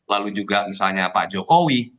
lalu juga misalnya pak jokowi